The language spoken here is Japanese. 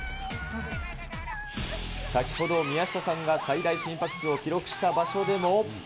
先ほど、宮下さんが最大心拍数を記録した場所でも。